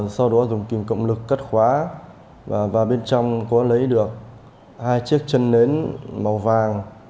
sau đó dùng kìm cộng lực cắt khóa và bên trong có lấy được hai chiếc chân nến màu vàng